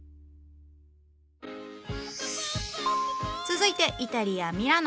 続いてイタリアミラノ。